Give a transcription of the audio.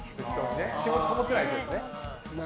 気持ちこもってないやつね。